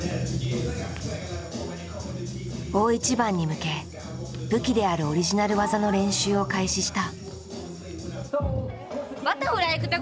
大一番に向け武器であるオリジナル技の練習を開始した。